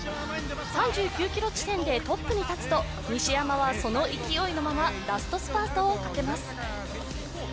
３９ｋｍ地点でトップに立つと西山はその勢いのままラストスパートをかけます。